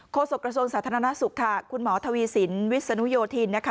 โศกระทรวงสาธารณสุขค่ะคุณหมอทวีสินวิศนุโยธินนะคะ